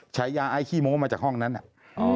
ฉายาไอ้ขี้โม้มาจากห้องนั้นน่ะ